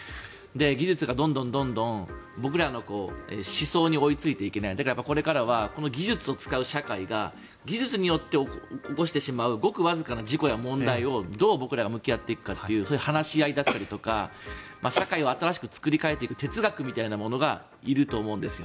技術がどんどん僕らの思想に追いついていけないだから、これからはこの技術を使う社会が技術によって起こしてしまうごくわずかな事故や問題をどう僕らが向き合っていくかという話し合いだったりとか社会を新しく作り替えていく哲学みたいなものがいると思うんですよ。